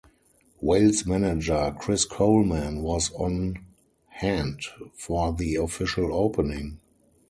Wales manager Chris Coleman was on hand for the official opening.